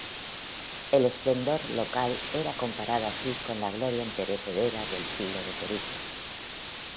El esplendor local era comparado así con la gloria imperecedera del siglo de Pericles.